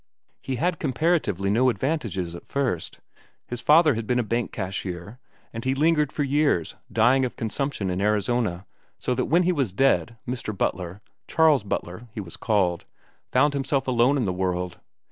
"He had comparatively no advantages at first. His father had been a bank cashier, but he lingered for years, dying of consumption in Arizona, so that when he was dead, Mr. Butler, Charles Butler he was called, found himself alone in the world.